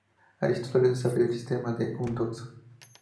Aristóteles desarrolló el sistema de Eudoxo.